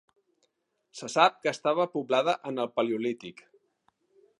Se sap que estava poblada en el Paleolític.